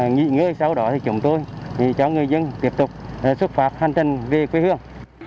nghị người sau đó thì chúng tôi cho người dân tiếp tục xuất phạt hành trình về quê hương